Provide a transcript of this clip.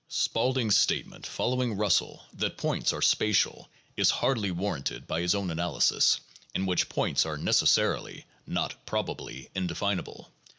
Spaulding 's statement (following Eussell) that "points" are spatial is hardly warranted by his own analysis, in which "points" are necessarily (not "probably") indefinable.